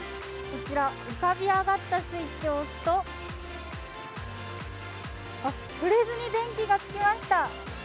こちら浮かび上がったスイッチを押すと触れずに電気がつきました！